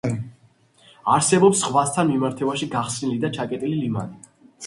არსებობს ზღვასთან მიმართებაში გახსნილი და ჩაკეტილი ლიმანი.